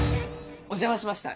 お邪魔しました。